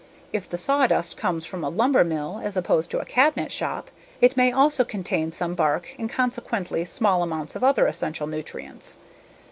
If the sawdust comes from a lumber mill, as opposed to a cabinet shop, it may also contain some bark and consequently small amounts of other essential nutrients.